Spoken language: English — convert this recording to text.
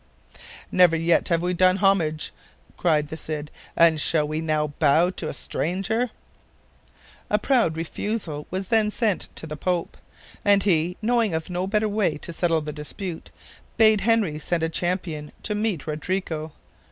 "Never yet have we done homage," cried the Cid, "and shall we now bow to a stranger?" A proud refusal was then sent to the Pope, and he, knowing of no better way to settle the dispute, bade Henry send a champion to meet Rodrigo.